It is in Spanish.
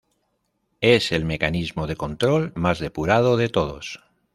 Es el mecanismo de control más depurado de todos.